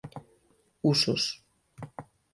Usos: